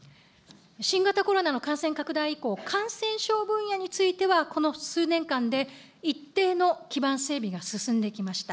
新型コロナの感染拡大以降、感染症分野については、この数年間で、一定の基盤整備が進んできました。